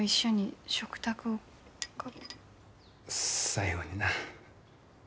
最後にな